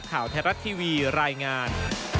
ข่าวแทรศทีวีรายงาน